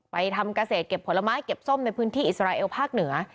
ทำเกษตรเก็บผลไม้เก็บส้มในพื้นที่อิสราเอลภาคเหนือ